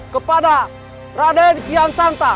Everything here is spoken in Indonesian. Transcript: kepada raden kian santan